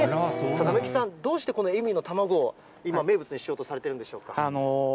並木さん、どうしてこのエミューの卵を今、名物にしようとされているんでしょうか。